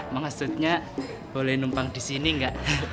maksudnya boleh numpang di sini enggak